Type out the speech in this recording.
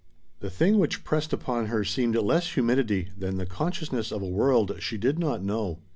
The thing which pressed upon her seemed less humidity than the consciousness of a world she did not know.